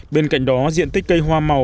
bên cạnh đó diện tích cây hoa màu